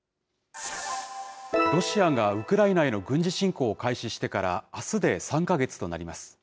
ロシアがウクライナへの軍事侵攻を開始してから、あすで３か月となります。